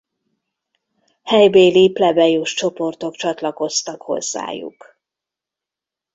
Helybéli plebejus csoportok csatlakoztak hozzájuk.